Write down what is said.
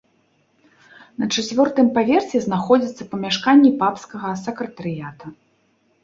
На чацвёртым паверсе знаходзяцца памяшканні папскага сакратарыята.